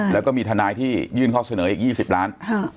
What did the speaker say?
แล้วก็มีทนายที่ยื่นข้อเสนออีก๒๐ล้าน